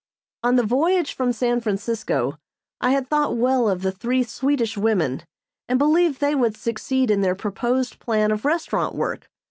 On the voyage from San Francisco I had thought well of the three Swedish women, and believed they would succeed in their proposed plan of restaurant work.